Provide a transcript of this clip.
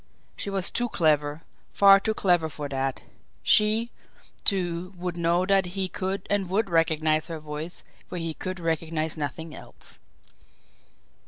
She was too clever, far too clever for that she, too, would know that he could and would recognise her voice where he could recognise nothing else.